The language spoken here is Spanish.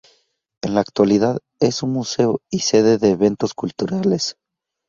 En la actualidad, es un museo y sede de eventos culturales.